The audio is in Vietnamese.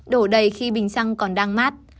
đổ đầy khi bình xăng còn đang mát